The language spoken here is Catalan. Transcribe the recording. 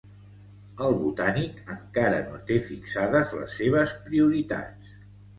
El Botànic encara no té fixades les seves prioritats